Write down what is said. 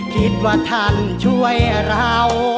คิดว่าท่านช่วยเรา